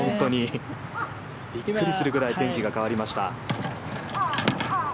びっくりするぐらい天気が変わりました。